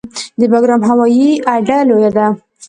د بګرام هوایي اډه لویه ده